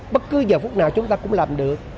bất cứ giờ phút nào chúng ta cũng làm được